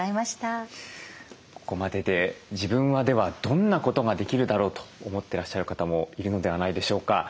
ここまでで自分はではどんなことができるだろうと思ってらっしゃる方もいるのではないでしょうか。